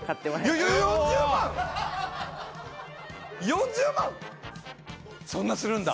４０万⁉そんなするんだ。